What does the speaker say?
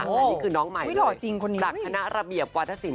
นี่คือน้องใหม่เลยหลักธนาระเบียบวัฒนศิลป์